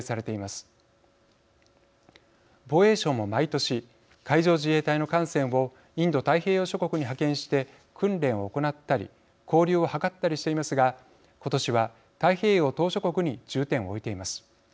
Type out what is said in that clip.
防衛省も毎年海上自衛隊の艦船をインド太平洋諸国に派遣して訓練を行ったり交流を図ったりしていますが今年は太平洋島しょ国に重点を置いています。